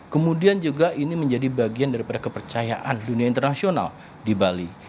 kemudian juga ini menjadi bagian daripada kepercayaan dunia internasional di bali